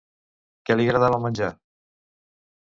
Què li agradava menjar?